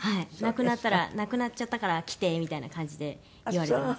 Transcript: なくなったら「なくなっちゃったから来て」みたいな感じで言われてます。